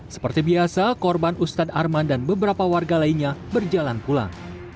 seperti biasa korban ustadz arman dan beberapa warga lainnya berjalan pulang